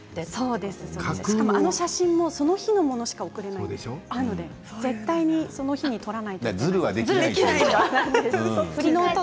あの写真もその日のものしか送れないので絶対にその日に撮らなくちゃいけない。